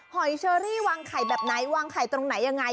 หอยเชอรี่วางไข่แบบไหนวางไข่ตรงไหนยังไง